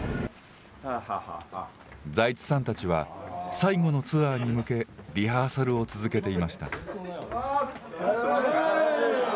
財津さんたちは、最後のツアーに向け、リハーサルを続けていました。